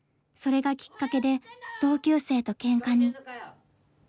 それがきっかけで同級生とけんかに。